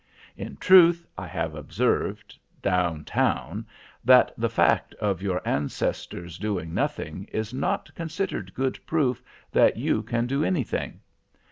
In truth, I have observed, down town, that the fact of your ancestors doing nothing is not considered good proof that you can do anything.